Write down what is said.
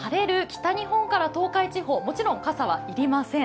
北日本から東海地方、もちろん傘は要りません。